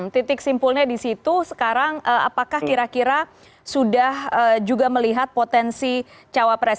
titik simpulnya di situ sekarang apakah kira kira sudah juga melihat potensi cawapres